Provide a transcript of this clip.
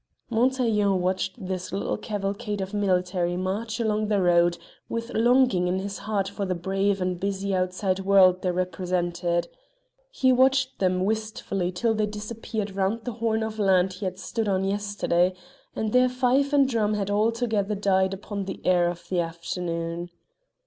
Montaiglon watched this little cavalcade of military march along the road, with longing in his heart for the brave and busy outside world they represented. He watched them wistfully till they had disappeared round the horn of land he had stood on yesterday, and their fife and drum had altogether died upon the air of the afternoon.